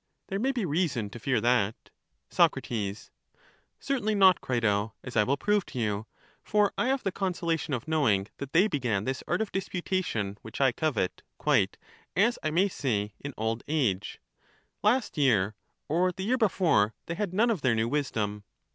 there may be reason to fear that. Soc. Certainly not, Crito; as I will prove to you, for I have the consolation of knowing that they began this art of disputation which I covet, quite, as I may say, in old age ; last year, or the year before, they had none of their new wisdom.